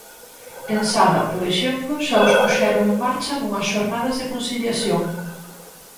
En Sada, por exemplo, xa os puxeron en marcha nunhas xornadas de conciliación.